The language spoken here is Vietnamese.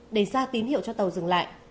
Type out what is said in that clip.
để ra tín hiệu cho tàu dừng lại